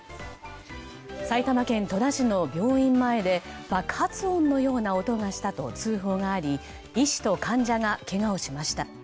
埼玉県戸田市の病院前で爆発音のような音がしたと通報があり医師と患者がけがをしました。